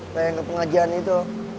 pengen ke pengajian itu